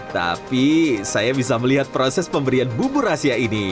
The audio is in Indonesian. tapi saya bisa melihat proses pemberian bubur rahasia ini